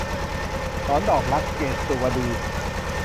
หนอนดอกรัก - เกตุวดี